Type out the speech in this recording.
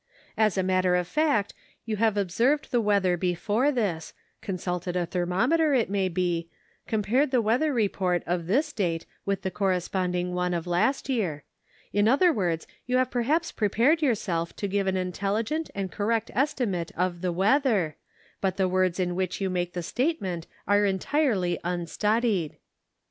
As a matter of fact, you have observed the weather before this, consulted a thermometer, it may be, compared the weather report of this date with the corresponding one of last year ; in other words, you have perhaps prepared yourself to give an intelligent and correct esti mate of the weather, but the words in which you make the statement are entirely unstudied."